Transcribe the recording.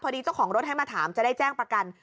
เจ้าของรถให้มาถามจะได้แจ้งประกัน